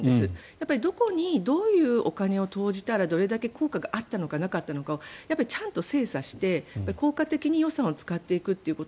やっぱり、どこにどういうお金を投じたらどれだけ効果があったのかなかったのかをちゃんと精査して効果的に予算を使っていくこと。